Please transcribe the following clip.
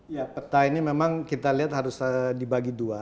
ya peta ini memang kita lihat harus dibagi dua